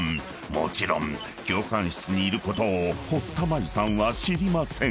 ［もちろん教官室にいることを堀田真由さんは知りません］